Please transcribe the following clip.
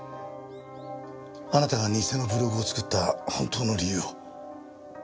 あなたが偽のブログを作った本当の理由を。